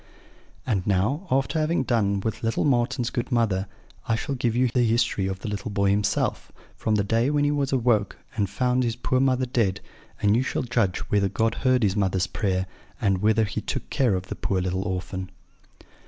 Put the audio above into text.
"And now, after having done with little Marten's good mother, I shall give you the history of the little boy himself, from the day when he was awoke and found his poor mother dead; and you shall judge whether God heard his mother's prayer, and whether He took care of the poor little orphan.